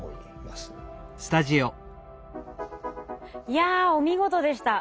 いやお見事でした。